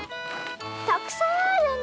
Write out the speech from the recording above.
たくさんあるね